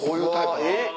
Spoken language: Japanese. えっ！